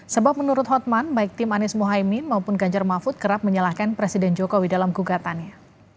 sebab menurut hotman baik tim anies mohaimin maupun ganjar mahfud kerap menyalahkan presiden jokowi dalam gugatannya